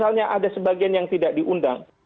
karena ada sebagian yang tidak diundang